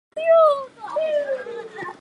老板多给的奖金